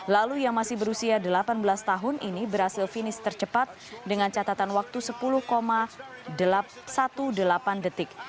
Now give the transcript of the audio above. lalu yang masih berusia delapan belas tahun ini berhasil finish tercepat dengan catatan waktu sepuluh delapan belas detik